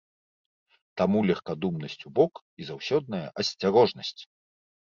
Таму легкадумнасць убок і заўсёдная асцярожнасць!